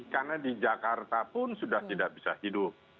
karena di jakarta pun sudah tidak bisa hidup